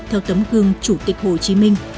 theo tấm gương chủ tịch hồ chí minh